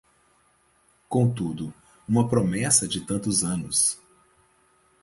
Contudo, uma promessa de tantos anos...